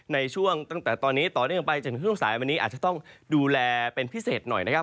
ในช่วงตั้งแต่ตอนนี้ต่อเนื่องไปจนถึงช่วงสายวันนี้อาจจะต้องดูแลเป็นพิเศษหน่อยนะครับ